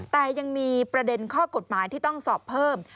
แต่ยังมีประเด็นข้อกฎหมายที่ต้องสอบเพิ่ม